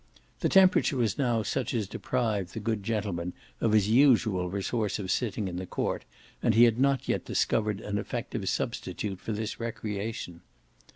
The temperature was now such as to deprive the good gentleman of his usual resource of sitting in the court, and he had not yet discovered an effective substitute for this recreation.